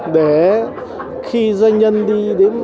để khi doanh nhân đi